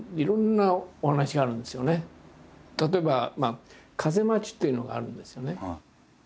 例えば「風待ち」っていうのがあるんですよね。